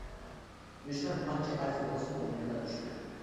دۈشمەن قانچە ئاجىز بولسىمۇ ئۇ يەنىلا دۈشمەن.